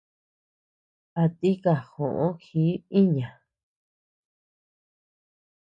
A tika joʼo ji iña.